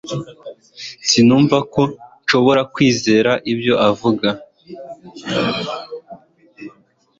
sinumva ko nshobora kwizera ibyo avuga